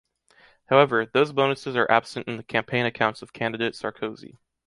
However, those bonuses are absent in the Campaign Accounts of candidate Sarkozy.